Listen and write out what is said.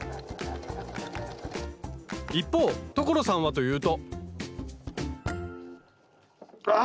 一方所さんはというとあ！